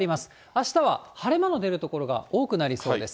あしたは晴れ間の出る所が多くなりそうです。